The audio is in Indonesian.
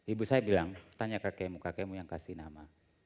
ibu saya bilang tanya kakekmu kakekmu yang kasih nama